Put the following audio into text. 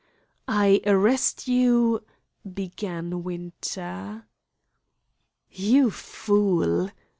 "I arrest you " began Winter. "You fool!"